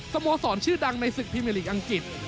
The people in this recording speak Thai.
สโมสรชื่อดังในศึกพรีเมอร์ลีกอังกฤษ